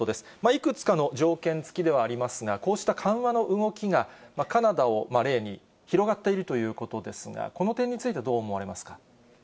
いくつかの条件付きではありますが、こうした緩和の動きが、カナダを例に広がっているということですが、この点についてはどう思われますか？